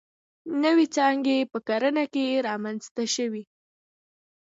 نوې څانګې په کرنه کې رامنځته شوې.